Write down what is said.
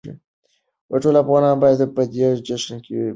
ټول افغانان بايد په دې جشن کې برخه واخلي.